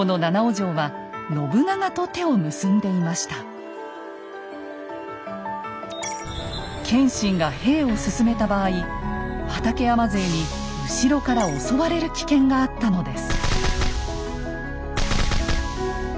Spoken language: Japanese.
実は当時この謙信が兵を進めた場合畠山勢に後ろから襲われる危険があったのです。